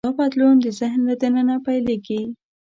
دا بدلون د ذهن له دننه پیلېږي.